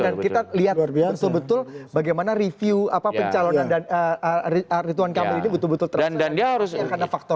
dan kita lihat betul betul bagaimana review pencalonan dan rituan kami ini betul betul terasa